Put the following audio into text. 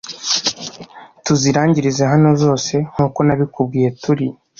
tuzirangirize hano zose nkuko nabikubwiye turi